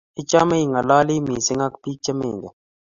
Ichome ing'aloli misng ak biik che mengen